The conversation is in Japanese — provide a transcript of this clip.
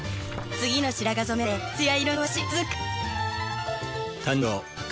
次の白髪染めまでつや色の私つづく。